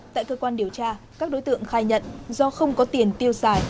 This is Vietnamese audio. tại cơ quan điều tra các đối tượng khai nhận do không có tiền tiêu xài